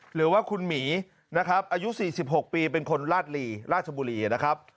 หรือว่าคุณหมีนะครับอายุ๔๖ปีเป็นคนลาดลีราชบุรีนะครับ